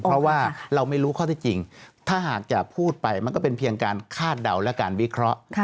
เพราะว่าเราไม่รู้ข้อที่จริงถ้าหากจะพูดไปมันก็เป็นเพียงการคาดเดาและการวิเคราะห์